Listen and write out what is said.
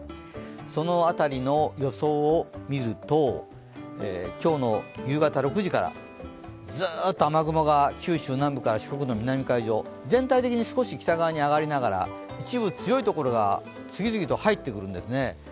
その辺りの予想を見ると今日の夕方６時から、ずっと雨雲が九州南部から四国の南海上、全体的に少し北側に上がりながら、一部強いところが次々と入ってくるんですね。